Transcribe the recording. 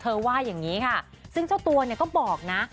ว่าอย่างนี้ค่ะซึ่งเจ้าตัวเนี่ยก็บอกนะ